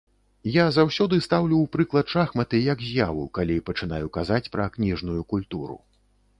Я заўсёды стаўлю ў прыклад шахматы як з'яву, калі пачынаю казаць пра кніжную культуру.